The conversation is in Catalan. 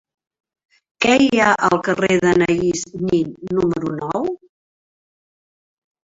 Què hi ha al carrer d'Anaïs Nin número nou?